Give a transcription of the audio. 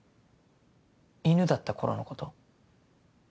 犬だった頃のこと？